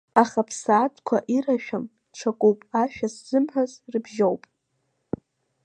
Аха аԥсаатәқәа ирашәам, ҽакуп, ашәа ззымҳәаз рыбжьоуп.